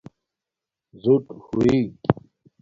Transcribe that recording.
زُٹ ہوئ